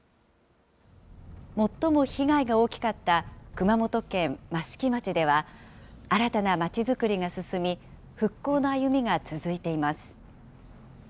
最も被害が大きかった熊本県益城町では、新たなまちづくりが進み、復興の歩みが続いています。